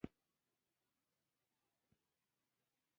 د کلیزو منظره د ټولو افغانانو ژوند په بېلابېلو بڼو باندې پوره اغېزمنوي.